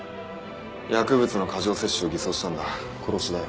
薬物の過剰摂取を偽装したんだ殺しだよ。